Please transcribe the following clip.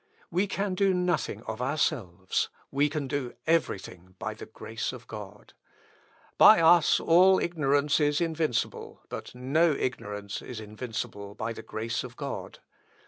"We can do nothing of ourselves; we can do everything by the grace of God. By us all ignorance is invincible, but no ignorance is invincible by the grace of God.